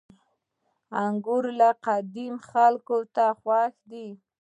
• انګور له قديمه خلکو ته خوښ دي.